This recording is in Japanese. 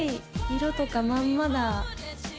色とかまんまだ。